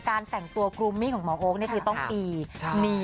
การแต่งตัวกรูมมี่ของหมอโอ๊คคือต้องตีเนี๊ยบ